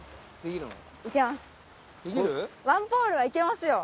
いけます！